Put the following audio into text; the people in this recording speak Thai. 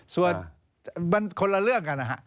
ส่วนมันคนละเรื่องกันนะฮะ